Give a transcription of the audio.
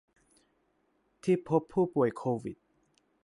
ที่พบผู้ป่วยโควิด